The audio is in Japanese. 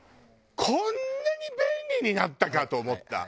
こんなに便利になったかと思った。